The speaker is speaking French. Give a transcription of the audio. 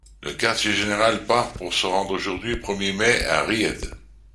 Le quartier-général part pour se rendre aujourd'hui premier mai, à Ried.